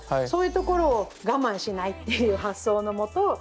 そういうところを我慢しないっていう発想のもと